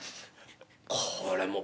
これもう。